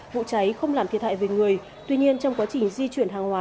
vụ cháy không làm thiệt hại về người tuy nhiên trong quá trình di chuyển hàng hóa